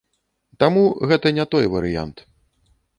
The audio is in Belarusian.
Таму гэта не той варыянт.